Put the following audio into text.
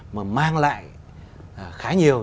mà mang lại khá nhiều